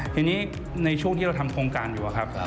ทีนี้ในช่วงที่เราทำโครงการอยู่ครับ